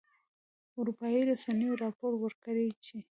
اروپایي رسنیو راپور ورکړی چې